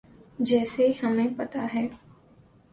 جیسے ہمیں پتہ ہے۔